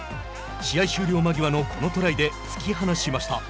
試合終了間際のこのトライで突き放しました。